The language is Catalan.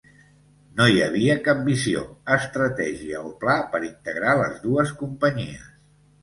No hi havia cap visió, estratègia o pla per integrar les dues companyies.